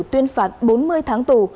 tuyên phạt bốn mươi tháng tù